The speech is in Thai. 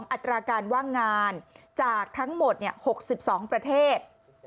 อัตราการว่างงานจากทั้งหมด๖๒ประเทศ